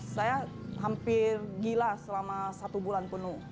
saya hampir gila selama satu bulan penuh